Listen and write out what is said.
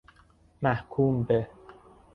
محکوم به